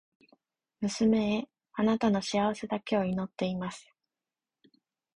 娘へ、貴女の幸せだけを祈っています。